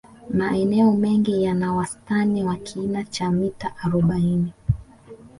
maeneo mengi yana wastani wa kina cha mita arobaini